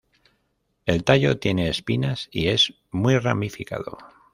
El tallo tiene espinas y es muy ramificado.